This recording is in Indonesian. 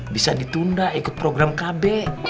bisa ditunda ikut program kb